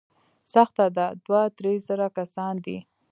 سخته ده، دوه، درې زره کسان دي.